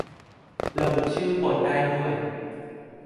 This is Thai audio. ระบุชื่อคนได้ด้วย